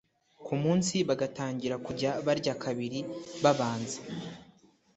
ku munsi bagatangira kujya barya kabiri babanza